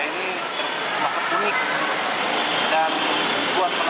terus sampai kayak kita apa sih bentuknya seperti apa